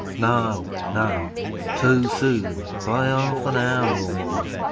No, no: too soon by half an hour or more.